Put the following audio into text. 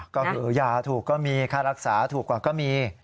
ก็คือยาถูกก็มีค่ารักษาถูกกว่าก็มี